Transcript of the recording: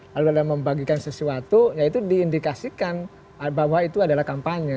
lalu dalam membagikan sesuatu ya itu diindikasikan bahwa itu adalah kampanye